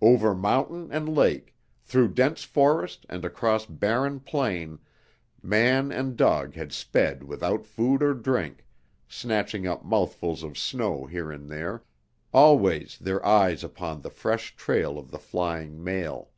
Over mountain and lake, through dense forest and across barren plain man and dog had sped without food or drink, snatching up mouthfuls of snow here and there always their eyes upon the fresh trail of the flying mail.